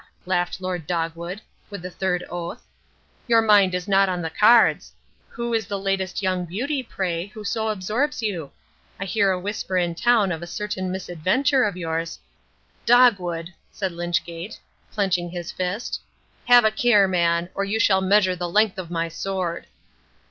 laughed Lord Dogwood, with a third oath, "your mind is not on the cards. Who is the latest young beauty, pray, who so absorbs you? I hear a whisper in town of a certain misadventure of yours " "Dogwood," said Wynchgate, clenching his fist, "have a care, man, or you shall measure the length of my sword."